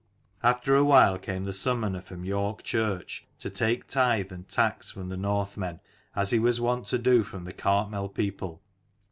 After a while came the summoner from York K 73 church, to take tithe and tax from the North men, as he was wont to do from the Cartmel people.